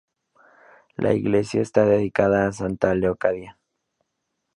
La iglesia está dedicada a santa Leocadia.